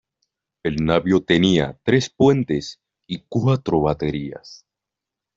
El navío tenía tres puentes y cuatro baterías.